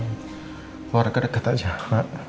keluarga dekat aja mak